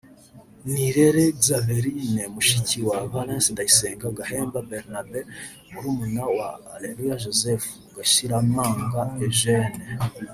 Nirere Xaverine (mushiki wa Valens Ndayisenga) Gahemba Barnabe (murumuna wa Areruya Joseph) Gashiramanga Eugene